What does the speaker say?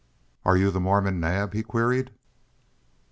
"Are you the Mormon Naab?" he queried.